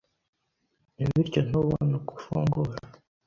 bityo ntubone uko ufungura.